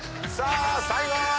さあ最後！